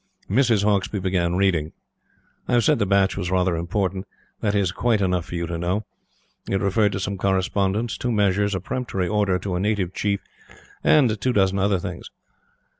Mrs. Hauksbee began reading. I have said the batch was rather important. That is quite enough for you to know. It referred to some correspondence, two measures, a peremptory order to a native chief and two dozen other things.